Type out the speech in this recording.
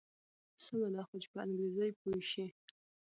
سمه ده خو چې په انګریزي پوی شي.